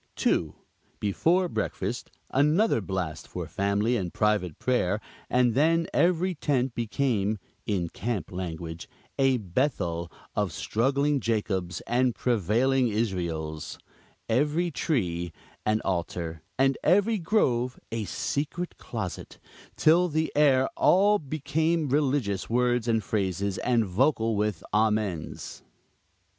2. Before breakfast, another blast for family and private prayer; and then every tent became, in camp language, "a bethel of struggling Jacobs and prevailing Israels," every tree "an altar;" and every grove "a secret closet;" till the air all became religious words and phrases, and vocal with "Amens."